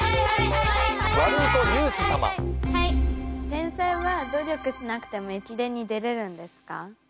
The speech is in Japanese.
天才は努力しなくても駅伝に出れるんですか？